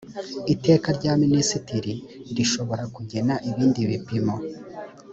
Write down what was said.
iteka rya minisitiri rishobora kugena ibindi bipimo